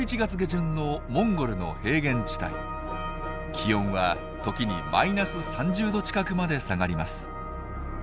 気温は時にマイナス３０℃近くまで下がります。